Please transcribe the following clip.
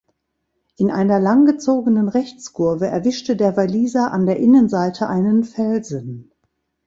In einer langgezogenen Rechtskurve erwischte der Waliser an der Innenseite einen Felsen.